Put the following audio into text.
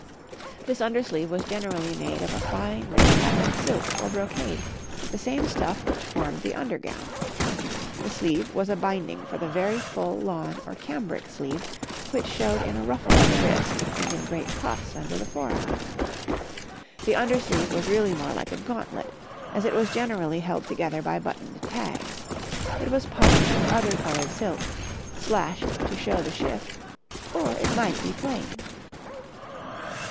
This under sleeve was generally made of a fine rich patterned silk or brocade, the same stuff which formed the under gown; the sleeve was a binding for the very full lawn or cambric sleeve which showed in a ruffle at the wrist and in great puffs under the forearm. The under sleeve was really more like a gauntlet, as it was generally held together by buttoned tags; it was puffed with other coloured silk, slashed to show the shift, or it might be plain.